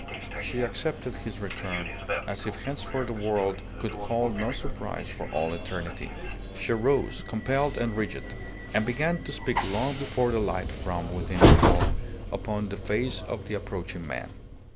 She accepted his return as if henceforth the world could hold no surprise for all eternity. She rose, compelled and rigid, and began to speak long before the light from within fell upon the face of the approaching man.